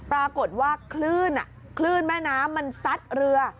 ปรากฏว่าคลื่นคลื่นแม่น้ำมันซัดเรือ